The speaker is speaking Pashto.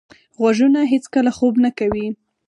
غوږونه هیڅکله خوب نه کوي.